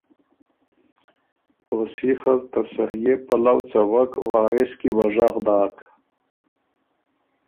او سیخ ال ته سريې پلؤ څوک وارث کی وه ژغ داک